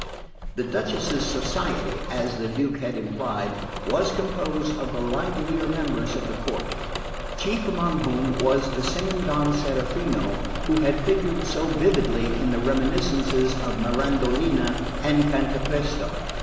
The Duchess's society, as the Duke had implied, was composed of the livelier members of the court, chief among whom was the same Don Serafino who had figured so vividly in the reminiscences of Mirandolina and Cantapresto.